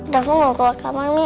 rafa mau keluar kamar mi